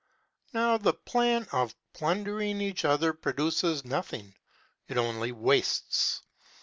Now, the plan of plundering each other produces nothing. It only wastes.